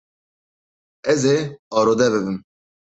Ez ê arode bibim.